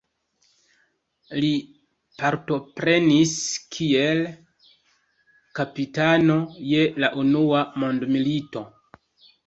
Li partoprenis kiel kapitano je la unua mondmilito.